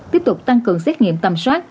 tiếp tục tăng cường xét nghiệm tầm soát